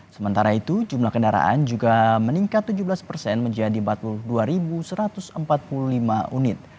sementara itu jumlah kendaraan juga meningkat tujuh belas persen menjadi empat puluh dua satu ratus empat puluh lima unit